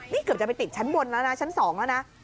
นี่เกือบจะไปติดชั้นบนแล้วนะชั้น๒แล้วนะ